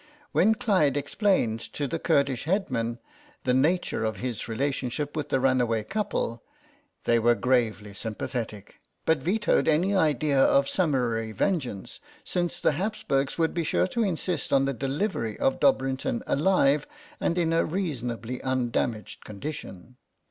When Clyde explained to the Kurdish headmen the nature of his relationship with the runaway couple they were gravely sympathetic, but vetoed any idea of summary vengeance, since the Habsburgs would be sure to insist on the delivery of Dobrinton alive, and in a reason ably undamaged condition.